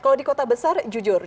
kalau di kota besar jujur